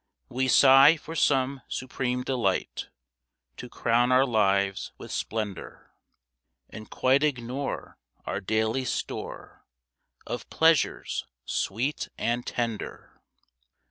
We sigh for some supreme delight To crown our lives with splendour, And quite ignore our daily store Of pleasures sweet and tender.